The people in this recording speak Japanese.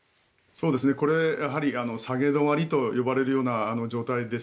これはやはり下げ止まりと呼ばれるような状態です。